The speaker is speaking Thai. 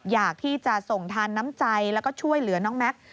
อยากที่จะส่งทานน้ำใจแล้วก็ช่วยเหลือน้องแม็กซ์